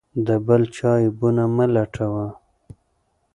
د بل چا عیبونه مه لټوه.